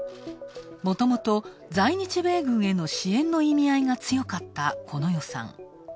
もともと、在日米軍への支援への意味合いが強かったこの予算。